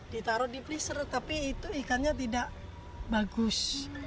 ditaruh di pressure tapi itu ikannya tidak bagus